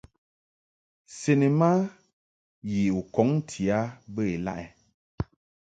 Cinema yi u kɔŋ ti a bə ilaʼ ?